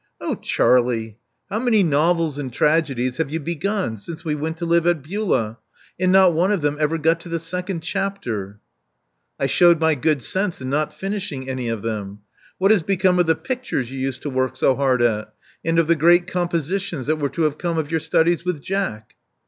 Oh, Charlie ! How many novels and tragedies have you begun since we went to live at Beulah? and not one of them ever got to the second chapter." I shewed my good sense in not finishing any of them. What has become of the pictures you used to work so hard at, and of th§ great compositions that were to have come of your studies with Jack?"